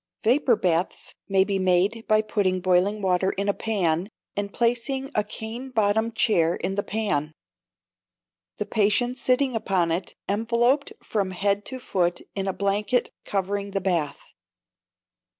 Vapour baths may be made by putting boiling water in a pan, and placing a cane bottom chair in the pan, the patient sitting upon it, enveloped from head to foot in a blanket covering the bath.